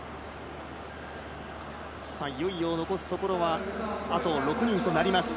いよいよ残すところはあと６人となりました。